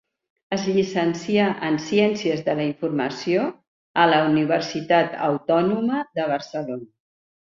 Es llicencià en Ciències de la Informació a la Universitat Autònoma de Barcelona.